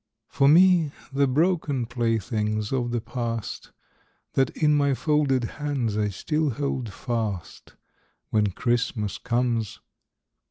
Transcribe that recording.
For me, the broken playthings of the past That in my folded hands I still hold fast, When Christmas comes.